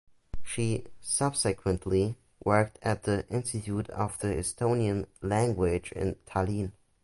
She subsequently worked at the Institute of the Estonian Language in Tallinn.